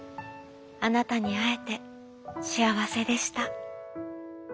あなたにあえてしあわせでした」。